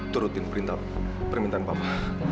turutin permintaan papa